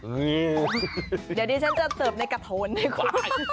เดี๋ยวดิฉันจะเสิร์ฟในกระโทนดีกว่า